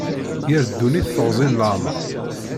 Yir ddunit teɣzi n leɛmer.